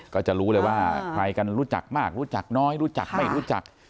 ก็จะรู้เลยว่าใครกันรู้จักมากรู้จักน้อยรู้จักไม่รู้จัก